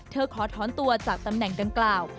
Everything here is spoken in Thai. ขอถอนตัวจากตำแหน่งดังกล่าว